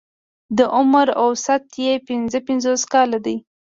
د عمر اوسط يې پنځه پنځوس کاله دی.